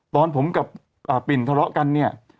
ตอนผมกับปิ่นทะเลาะกันเนี่ย